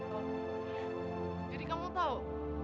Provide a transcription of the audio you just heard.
jadi kamu tau